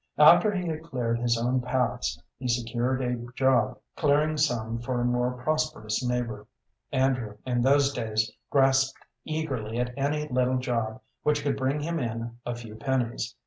After he had cleared his own paths, he secured a job clearing some for a more prosperous neighbor. Andrew in those days grasped eagerly at any little job which could bring him in a few pennies.